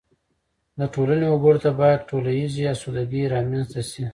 د ټولنې وګړو ته باید ټولیزه اسودګي رامنځته شي.